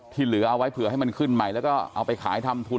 เหลือเอาไว้เผื่อให้มันขึ้นใหม่แล้วก็เอาไปขายทำทุน